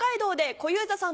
小遊三さん。